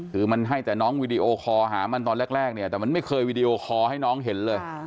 คือมันให้แต่น้องวีดีโอคอลหามันตอนแรกเนี่ยแต่มันไม่เคยวีดีโอคอร์ให้น้องเห็นเลย